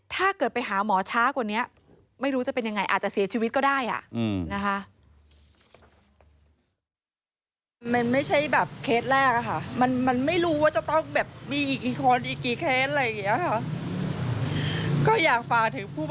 ถ้าเกิดไปหาหมอช้ากว่านี้ไม่รู้จะเป็นยังไงอาจจะเสียชีวิตก็ได้นะคะ